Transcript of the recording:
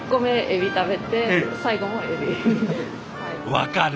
分かる。